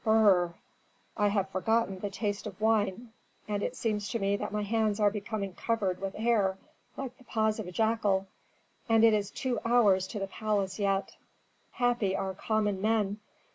Brr! I have forgotten the taste of wine, and it seems to me that my hands are becoming covered with hair, like the paws of a jackal. And it is two hours to the palace yet. "Happy are common men!